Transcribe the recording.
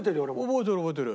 覚えてる覚えてる。